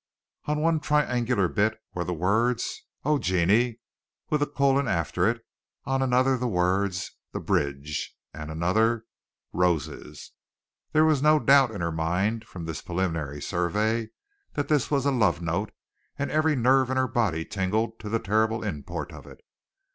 On one triangular bit were the words, "Oh, Genie!" with a colon after it; on another the words, "The bridge," and on another "Roses." There was no doubt in her mind from this preliminary survey that this was a love note, and every nerve in her body tingled to the terrible import of it.